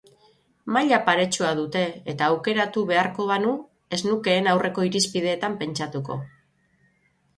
Maila paretsua dute eta aukeratu beharko banu ez nukeen aurreko irizpideetan pentsatuko.